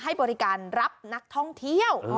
ให้บริการรับนักท่องเที่ยว